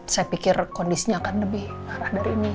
saya pikir kondisinya akan lebih parah dari ini